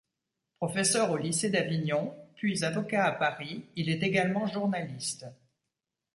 Professeur au Lycée d'Avignon, puis avocat à Paris, il est également journaliste.